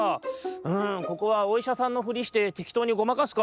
うんここはおいしゃさんのフリしててきとうにごまかすか。